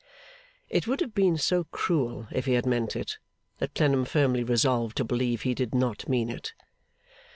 It would have been so cruel if he had meant it, that Clennam firmly resolved to believe he did not mean it.